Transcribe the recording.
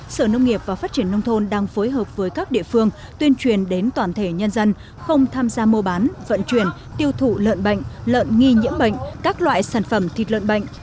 sở nông nghiệp và phát triển nông thôn đang phối hợp với các địa phương tuyên truyền đến toàn thể nhân dân không tham gia mua bán vận chuyển tiêu thụ lợn bệnh lợn nghi nhiễm bệnh các loại sản phẩm thịt lợn bệnh